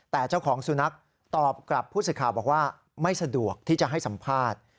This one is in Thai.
แต่เจ้าของสุนัขตอบกับผู้สื่อข่าวบอกว่าไม่สะดวกที่จะให้สัมภาษณ์